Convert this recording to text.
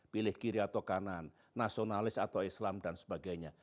pilih kiri atau kanan nasionalis atau islam dan sebagainya